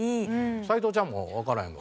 斎藤ちゃんもわからへんの？